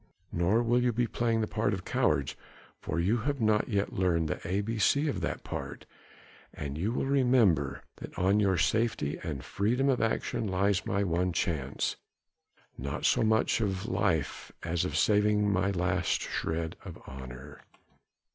Nor will you be playing the part of cowards, for you have not yet learned the A B C of that part, and you will remember that on your safety and freedom of action lies my one chance, not so much of life as of saving my last shred of honour."